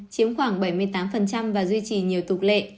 chiếm khoảng bảy mươi tám và duy trì nhiều tục lệ